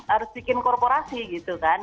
harus bikin korporasi gitu kan